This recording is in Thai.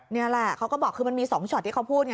นี่แหละเขาก็บอกคือมันมี๒ช็อตที่เขาพูดไง